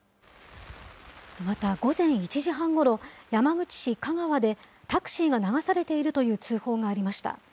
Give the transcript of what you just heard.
また、午前１時半ごろ、山口市嘉川でタクシーが流されているという通報がありました。